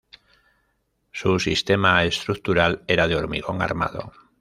Su sistema estructural era de hormigón armado.